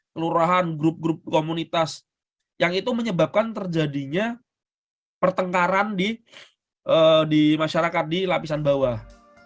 kelurahan grup grup komunitas yang itu menyebabkan terjadinya pertengkaran di masyarakat di lapisan bawah